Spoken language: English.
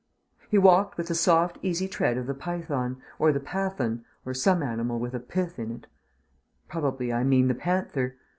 He walked with the soft easy tread of the python, or the Pathan, or some animal with a "pth" in it. Probably I mean the panther.